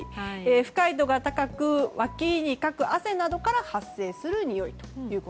不快度が高くわきにかく汗などから発生するにおいと。